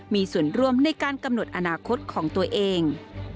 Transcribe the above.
มีส่วนร่วมในการกำหนดอนาคตของตัวเอง